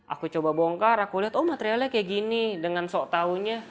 aku coba bongkar aku lihat oh materialnya kayak gini dengan sok tahunya